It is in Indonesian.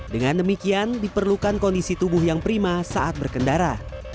dengan demikian diperlukan kondisi tubuh yang prima saat berkendara